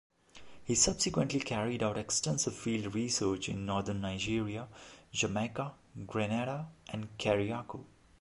He subsequently carried out extensive field research in Northern Nigeria, Jamaica, Grenada, and Carriacou.